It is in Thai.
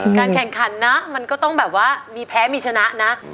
การแข่งขันนะมันก็ต้องแบบว่ามีแพ้มีชนะนะ